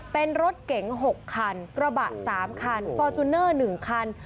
เป็นรถเก๋ง๖คันกระบะ๓คันฟอร์จูเนอร์๑คัน